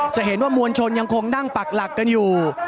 จะเห็นว่ามวลชนยังคงนั่งปักหลักกันอยู่